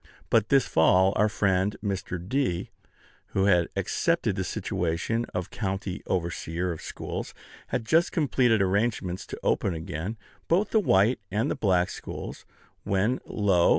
But this fall our friend Mr. D., who had accepted the situation of county overseer of schools, had just completed arrangements to open again both the white and the black schools, when, lo!